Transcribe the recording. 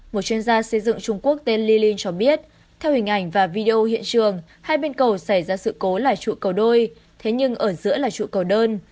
một chuyên gia xây dựng trung quốc tên lilin cho biết theo hình ảnh và video hiện trường hai bên cầu xảy ra sự cố là trụ cầu đôi thế nhưng ở giữa là trụ cầu đơn